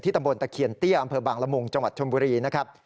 ที่ตำบลตะเขียนเตี้ยอำเภอบางละมุงจชมบุรีนะครับ